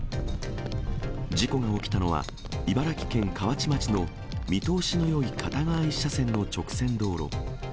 事故が起きたのは、茨城県河内町の見通しのよい片側１車線の直線道路。